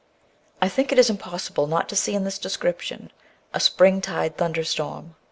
I think it is impossible not to see in this description, a spring tide thunderstorm.